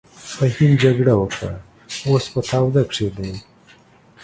فهيم جګړه وکړه اوس په تاوده کښی دې.